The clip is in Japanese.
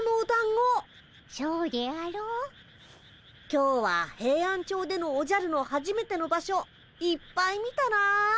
今日はヘイアンチョウでのおじゃるのはじめての場所いっぱい見たなあ。